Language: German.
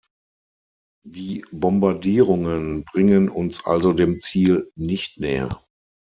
Die Bombardierungen bringen uns also dem Ziel nicht näher.